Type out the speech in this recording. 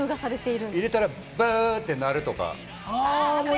入れたらブーって鳴るとか？